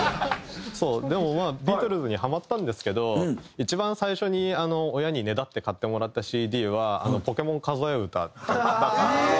そうでもまあビートルズにハマったんですけど一番最初に親にねだって買ってもらったＣＤは『ポケモンかぞえうた』だったので。